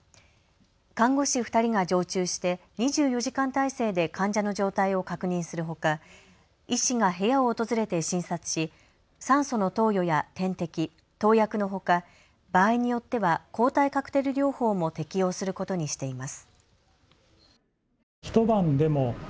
看護師２人が常駐して２４時間体制で患者の状態を確認するほか医師が部屋を訪れて診察し酸素の投与や点滴、投薬のほか場合によっては抗体カクテル療法も適用することにしています。